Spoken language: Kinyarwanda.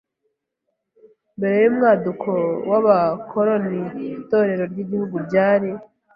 Mbere y’umwaduko w’Abakoloni Itorero ry’Igihugu ryari